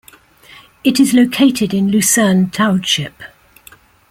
It is located in Luzerne Township.